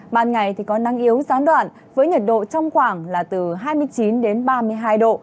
ban ngày thì có năng yếu gián đoạn với nhiệt độ trong khoảng là từ hai mươi chín đến ba mươi hai độ